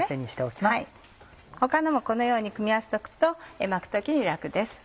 他のもこのように組み合わせておくと巻く時に楽です。